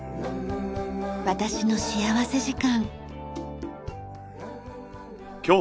『私の幸福時間』。